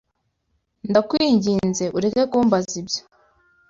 Ndakwinginze ureke kumbaza ibyo?